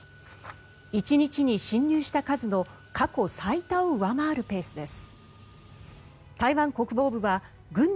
１日に進入した数の過去最多を上回るペースです。